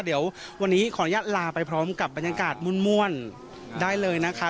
เดี๋ยววันนี้ขออนุญาตลาไปพร้อมกับบรรยากาศม่วนได้เลยนะคะ